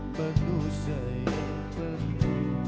ku penuh sayangku